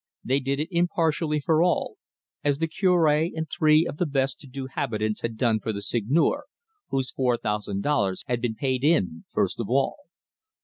They did it impartially for all, as the Cure and three of the best to do habitants had done for the Seigneur, whose four thousand dollars had been paid in first of all.